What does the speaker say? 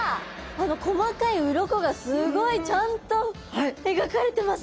あの細かい鱗がすごいちゃんと描かれてますね。